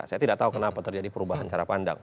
saya tidak tahu kenapa terjadi perubahan cara pandang